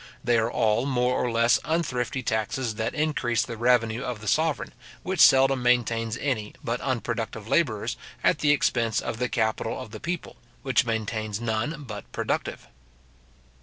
They are all more or less unthrifty taxes that increase the revenue of the sovereign, which seldom maintains any but unproductive labourers, at the expense of the capital of the people, which maintains none but productive.